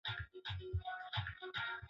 Benki yapandisha kiwango cha riba